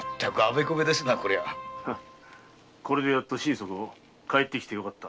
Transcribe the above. これでやっと真底「帰ってきてよかった」